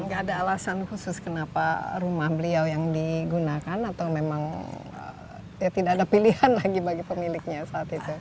nggak ada alasan khusus kenapa rumah beliau yang digunakan atau memang ya tidak ada pilihan lagi bagi pemiliknya saat itu